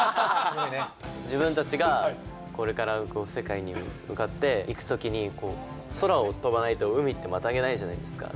自分たちがこれから世界に向かっていくときに、空を飛ばないと海ってまたげないじゃないですか。